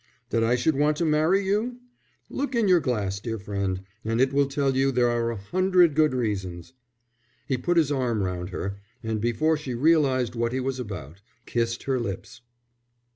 "That I should want to marry you? Look in your glass, dear friend, and it will tell you there are a hundred good reasons." He put his arm round her, and before she realized what he was about, kissed her lips.